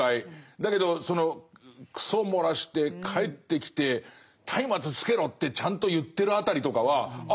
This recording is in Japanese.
だけどその糞洩らして帰ってきてたいまつつけろってちゃんと言ってるあたりとかはあ